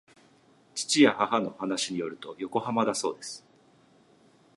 父や母の話によると横浜だそうです